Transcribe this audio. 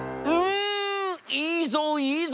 んいいぞいいぞ！